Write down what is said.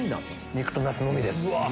肉とナスのみです。